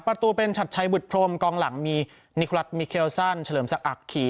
ประตูเป็นชัดชัยบุตรพรมกองหลังมีนิครัฐมิเคลซันเฉลิมสะอักขี่